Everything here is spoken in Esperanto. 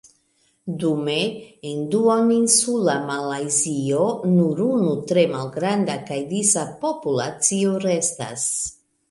Dume en duoninsula Malajzio nur unu tre malgranda kaj disa populacio restas.